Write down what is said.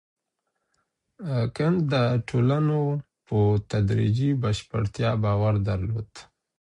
کنت د ټولنو په تدریجي بشپړتیا باور درلود.